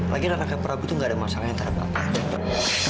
lagian anaknya prabu itu nggak ada masalah yang terhadap amirah